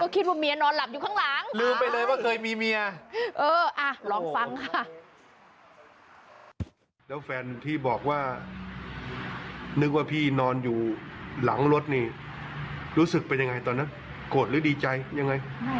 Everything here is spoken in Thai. ก็คิดว่าเมียนอนหลับอยู่ข้างหลัง